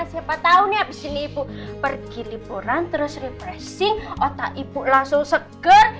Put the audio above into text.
siapa tahu nih abis ini ibu pergi liburan terus repressing otak ibu langsung seger